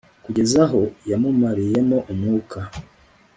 kugeza aho yamumariyemo umwuka